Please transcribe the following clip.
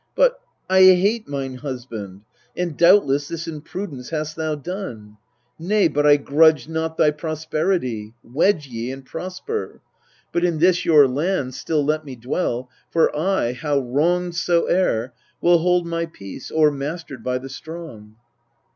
But I hate mine husband : And, doubtless, this in prudence hast thou done ? Nay, but I grudge not thy prosperity. Wed ye, and prosper. But in this your land Still let me dwell : for I, how wronged soe'er, Will hold my peace, o'ermastered by the strong.